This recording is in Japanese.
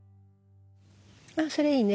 あっそれいいね